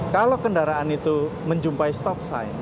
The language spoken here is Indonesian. kalau kendaraan itu menjumpai stop sign